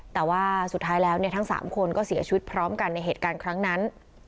แต่ว่าสุดท้ายแล้วทั้ง๓คนก็เสียชีวิตพร้อมกันในเหตุการณ์ครั้งนั้น